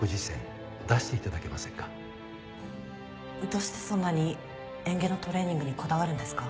どうしてそんなに嚥下のトレーニングにこだわるんですか？